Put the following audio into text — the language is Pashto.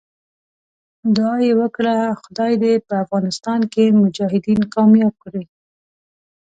دعا یې وکړه خدای دې په افغانستان کې مجاهدین کامیاب کړي.